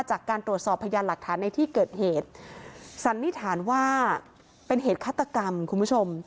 จากการตรวจสอบพยานหลักฐานในที่เกิดเหตุสันนิษฐานว่าเป็นเหตุฆาตกรรมคุณผู้ชม